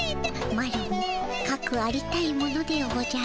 マロもかくありたいものでおじゃる。